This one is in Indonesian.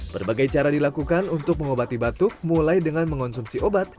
berbagai cara dilakukan untuk mengobati batuk mulai dengan mengonsumsi obat